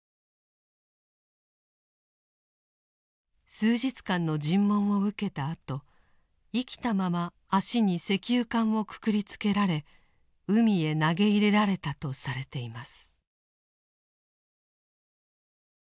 数日間の尋問を受けたあと生きたまま足に石油缶をくくりつけられ海へ投げ入れられたとされています。